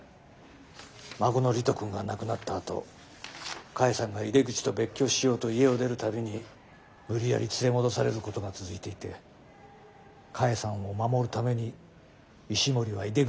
孫の理人くんが亡くなったあと菓恵さんが井出口と別居しようと家を出る度に無理やり連れ戻されることが続いていて菓恵さんを守るために石森は井出口を殺したと話してる。